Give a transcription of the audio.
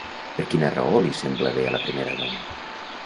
Per quina raó li sembla bé a la primera dona?